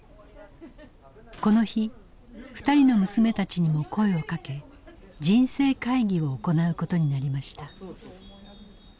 この日２人の娘たちにも声をかけ人生会議を行うことになりました。